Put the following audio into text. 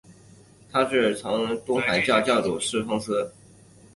他曾是东正教上海教区圣伊望主教的随侍司祭。